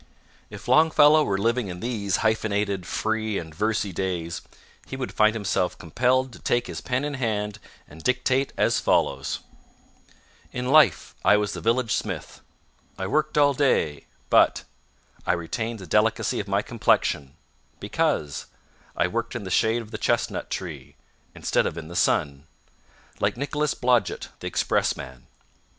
If Longfellow were living in these hyphenated, free and versy days, he would find himself compelled to take his pen in hand and dictate as follows: In life I was the village smith, I worked all day But I retained the delicacy of my complexion Because I worked in the shade of the chestnut tree Instead of in the sun Like Nicholas Blodgett, the expressman.